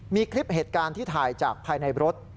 มีคลิปเหตุการณ์ที่ถ่ายจากภายในรถ